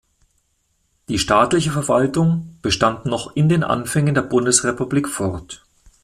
Die staatliche Verwaltung bestand noch in den Anfängen der Bundesrepublik fort.